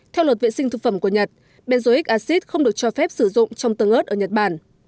theo luật vệ sinh thực phẩm của nhật benzoic acid không được cho phép sử dụng trong tương ớt ở nhật bản